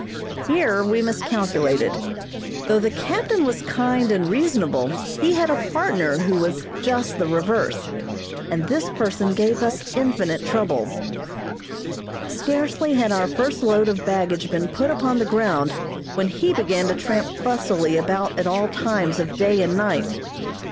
Here we miscalculated. Though the captain was kind and reasonable, he had a partner who was just the reverse, and this person gave us infinite trouble. Scarcely had our first load of baggage been put upon the ground when he began to tramp fussily about at all times of day and night.